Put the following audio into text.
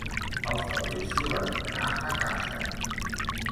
El Fabrizio va tornar a casa.